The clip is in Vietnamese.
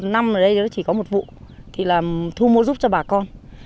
năm ở đây chỉ có một vụ thì là thu mua giúp cho bà con